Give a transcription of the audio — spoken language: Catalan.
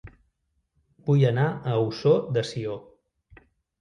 Vull anar a Ossó de Sió